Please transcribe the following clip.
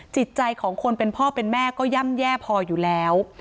จิตใจของคนเป็นพ่อเป็นแม่ก็ย่ำแย่พออยู่แล้ว